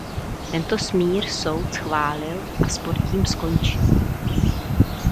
Tento smír soud schválil a spor tím skončil.